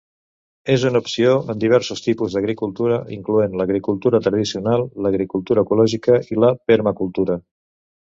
És una opció en diversos tipus d'agricultura incloent l'agricultura tradicional, l'agricultura ecològica i la permacultura.